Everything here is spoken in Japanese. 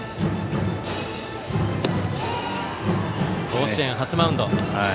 甲子園初マウンド。